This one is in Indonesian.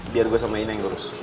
biar gue sama ineng yang urus